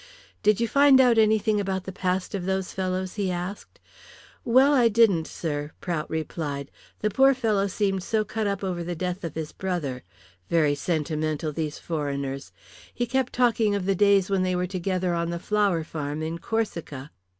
"Did you find out anything about the past of those fellows?" he asked. "Well, I didn't, sir," Prout replied. "The poor fellow seemed so cut up over the death of his brother. Very sentimental, those foreigners. He kept talking of the days when they were together on the flower farm in Corsica.